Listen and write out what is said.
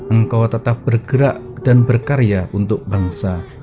engkau tetap bergerak dan berkarya untuk bangsa